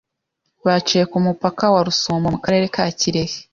baciye ku mupaka wa Rusumo mu Karere ka Kirehe